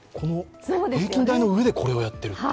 平均台の上でこれをやってる。